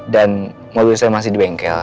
dan mobil saya masih di bengkel